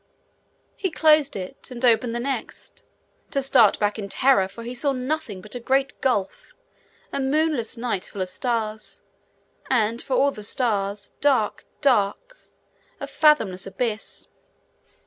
He closed it, and opened the next to start back in terror, for he saw nothing but a great gulf, a moonless night, full of stars, and, for all the stars, dark, dark! a fathomless abyss.